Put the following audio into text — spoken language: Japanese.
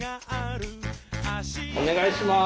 お願いします。